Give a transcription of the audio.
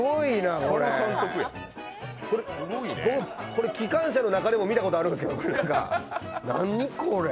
これ機関車の中でも見たことあるんですけど、何これ！？